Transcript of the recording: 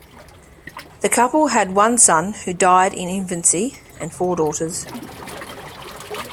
The couple had one son who died in infancy and four daughters.